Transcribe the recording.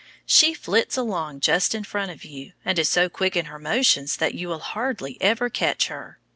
She flits along just in front of you, and is so quick in her motions that you will hardly ever catch her.